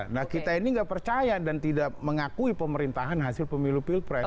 nah kita ini nggak percaya dan tidak mengakui pemerintahan hasil pemilu pilpres